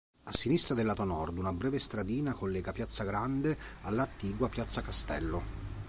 A sinistra del lato nord una breve stradina collega Piazza Grande all'attigua Piazza Castello.